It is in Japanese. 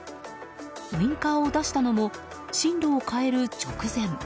ウィンカーを出したのも進路を変える直前。